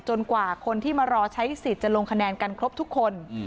กว่าคนที่มารอใช้สิทธิ์จะลงคะแนนกันครบทุกคน